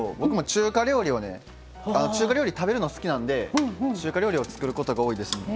中華料理食べるの好きなんで中華料理を作ることが多いですね。